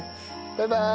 バイバイ。